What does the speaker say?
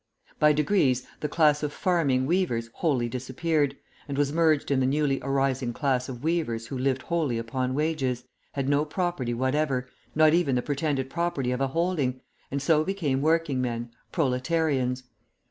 By degrees the class of farming weavers wholly disappeared, and was merged in the newly arising class of weavers who lived wholly upon wages, had no property whatever, not even the pretended property of a holding, and so became working men, proletarians.